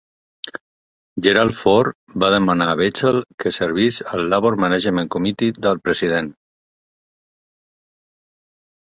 Gerald Ford va demanar a Bechtel que servís al Labor-Management Committee del president.